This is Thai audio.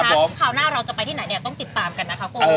คราวหน้าเราจะไปที่ไหนต้องติดตามกันนะคะ